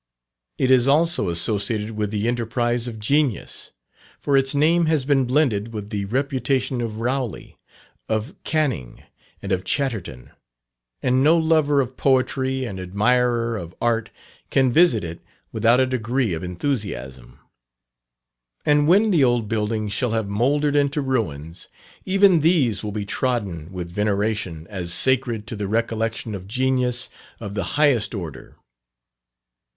It is also associated with the enterprise of genius; for its name has been blended with the reputation of Rowley, of Canynge, and of Chatterton; and no lover of poetry and admirer of art can visit it without a degree of enthusiasm. And when the old building shall have mouldered into ruins, even these will be trodden with veneration as sacred to the recollection of genius of the highest order.